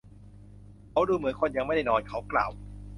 เขาดูเหมือนคนยังไม่ได้นอน เขากล่าว